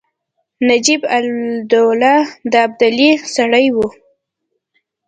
نجیب الدوله د ابدالي سړی وو.